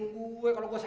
gak ada apa apa